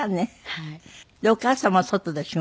はい。